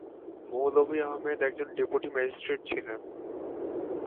মৌলভী আহমদ একজন deputy magistrate ছিলেন।